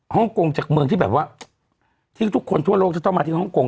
ฮงกงจากเมืองที่แบบว่าที่ทุกคนทั่วโลกจะต้องมาที่ฮ่องกง